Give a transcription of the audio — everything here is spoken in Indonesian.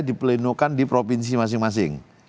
dipelenokan di provinsi masing masing